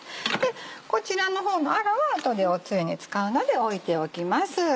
こちらの方のアラは後で汁に使うので置いておきます。